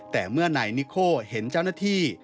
แต่เมื่อนายนิโคเห็นเจ้าหน้าที่